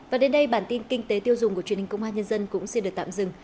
và đến đây bản tin kinh tế tiêu dùng của truyền hình công an nhân dân cũng xin được tạm dừng